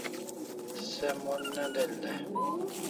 Se Mon ne del dai